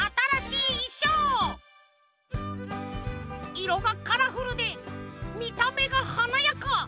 いろがカラフルでみためがはなやか！